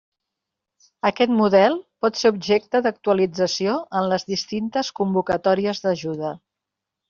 Aquest model pot ser objecte d'actualització en les distintes convocatòries d'ajuda.